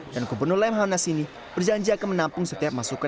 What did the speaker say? gubernur lemhanas ini berjanji akan menampung setiap masukan